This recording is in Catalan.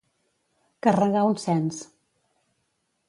Carregar un cens.